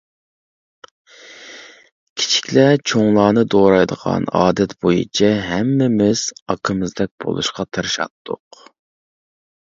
كىچىكلەر چوڭلارنى دورايدىغان ئادەت بويىچە ھەممىمىز ئاكىمىزدەك بولۇشقا تىرىشاتتۇق.